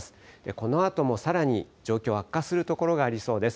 このあともさらに状況悪化する所がありそうです。